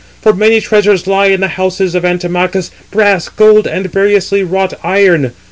For many treasures lie in the houses of Antimachus, brass, gold, and variously wrought iron.